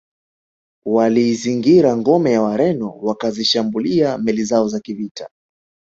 Waliizingira ngome ya Wareno wakazishambulia meli zao za kivita